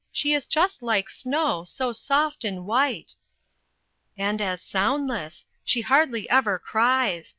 "She is just like snow, so soft and white." "And as soundless she hardly ever cries.